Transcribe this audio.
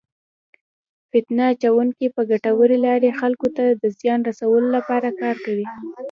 فتنه اچونکي په ګټورې لارې خلکو ته د زیان رسولو لپاره کار کوي.